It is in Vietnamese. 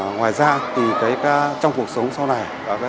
ngoài ra thì trong cuộc sống sau này